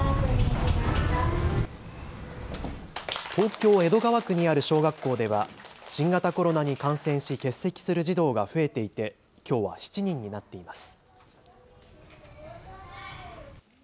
東京江戸川区にある小学校では新型コロナに感染し欠席する児童が増えていてきょうは７人になっています。